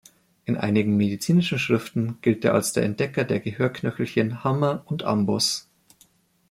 In einigen medizinischen Schriften gilt er als der Entdecker der Gehörknöchelchen "Hammer" und "Amboss".